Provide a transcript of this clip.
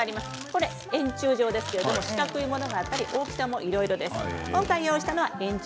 これ、円柱状ですが四角いものがあったり大きさはいろいろです。